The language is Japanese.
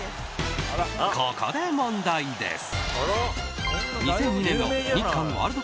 ここで問題です。